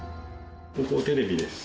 ここテレビです。